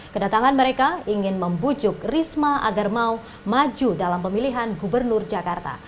kedatangan mereka ingin membujuk risma agar mau maju dalam pemilihan gubernur jakarta